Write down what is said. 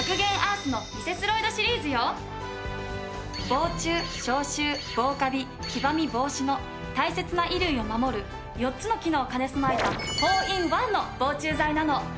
防虫消臭防カビ黄ばみ防止の大切な衣類を守る４つの機能を兼ね備えた４ｉｎ１の防虫剤なの。